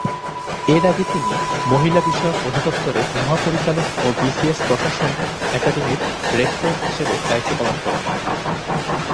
এর আগে তিনি মহিলা বিষয়ক অধিদপ্তরে মহাপরিচালক ও বিসিএস প্রশাসন একাডেমির রেক্টর হিসেবে দায়িত্ব পালন করেন।